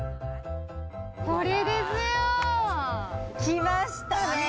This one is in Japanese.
これですよ。きましたね。